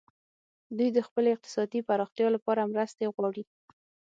دوی د خپلې اقتصادي پراختیا لپاره مرستې غواړي